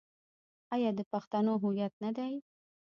آیا دا د پښتنو هویت نه دی؟